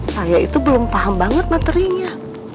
saya itu belum paham banget materinya